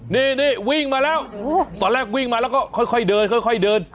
นี่วิ่งมาแล้วตอนแรกวิ่งมาแล้วก็ค่อยเดินค่อยเดิน